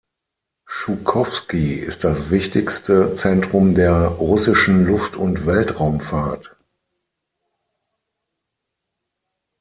Schukowski ist das wichtigste Zentrum der russischen Luft- und Weltraumfahrt.